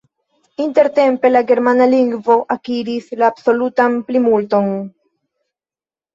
Intertempe la germana lingvo akiris la absolutan plimulton.